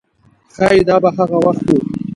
ښایي دا به هغه وخت و.